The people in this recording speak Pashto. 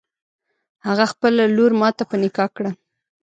هغه خپله لور ماته په نکاح کړه.